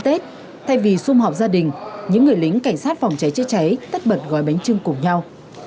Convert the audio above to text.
hai mươi chín tết thay vì xung họp gia đình những người lính cảnh sát phòng cháy chứa cháy tất bật gói bánh trưng cùng nhau